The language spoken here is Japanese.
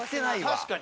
確かに。